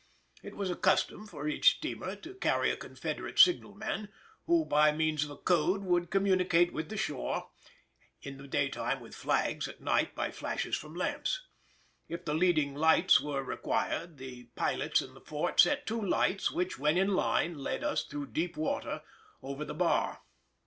It was the custom for each steamer to carry a Confederate signalman, who by means of a code could communicate with the shore, in the daytime with flags, at night by flashes from lamps. If the leading lights were required, the pilots in the fort set two lights which, when in line, led us through deep water over the bar.